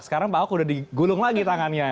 sekarang pak ahok udah digulung lagi tangannya